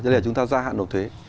chứ đây là chúng ta gia hạn nộp thuế